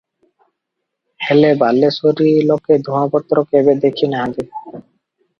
ହେଲେ ବାଲେଶ୍ୱରୀ ଲୋକେ ଧୂଆଁପତ୍ର କେବେ ଦେଖି ନାହାନ୍ତି ।